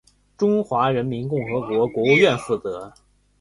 中华人民共和国国务院负责。